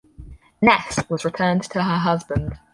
Nest was returned to her husband.